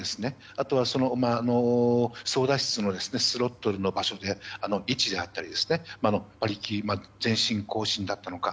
あとは、操舵室のスロットルの場所や位置であったり馬力、前進、後進だったのか。